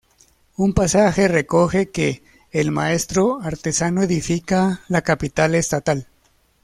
Un pasaje recoge que "El maestro artesano edifica la capital estatal.